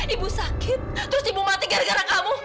ibu sakit terus ibu mati gara gara kamu